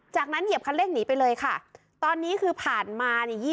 จากนั้นเหยียบคันเร่งหนีไปเลยค่ะตอนนี้คือผ่านมาเนี่ย